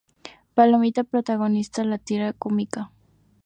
Palomita: Protagonista de la tira cómica.